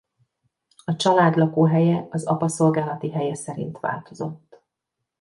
A család lakóhelye az apa szolgálati helye szerint változott.